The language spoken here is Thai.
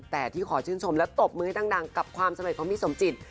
แต่ที่ขอชื่นชมและตบมือให้ดังกับความสำเร็จของพี่สมจิต